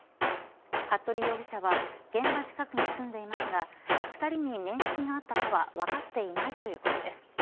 服部容疑者は現場近くに住んでいますが２人に面識があったかは分かっていないということです。